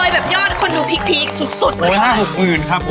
แบบยอดคนดูพีคสุดโอ้ย๕๖หมื่นครับผม